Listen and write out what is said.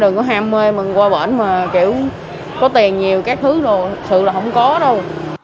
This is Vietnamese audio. đừng có ham mê mình qua bệnh mà kiểu có tiền nhiều các thứ rồi thực sự là không có đâu